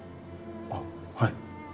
あっはい。